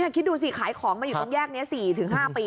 คิดดูสิขายของมาอยู่ตรงแยกนี้๔๕ปี